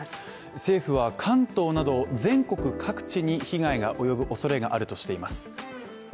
政府は関東など全国各地に被害が及ぶ恐れがあるとしています。